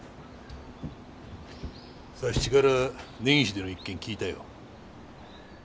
佐七から根岸での一件聞いたよ。